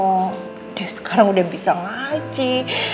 udah sekarang udah bisa ngaji